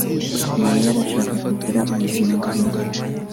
Mariya arashaka kugira ubuzima bwiza